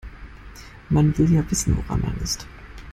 Man will ja wissen, woran man ist.